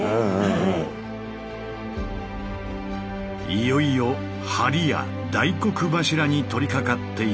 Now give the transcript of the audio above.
いよいよ梁や大黒柱に取りかかっていく。